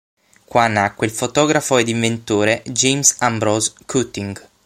Qua nacque il fotografo ed inventore James Ambrose Cutting.